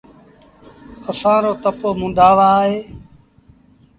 اسآݩ رو تپو مندآ وآه اهي